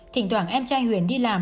thỉnh thoảng em trai huyền đi làm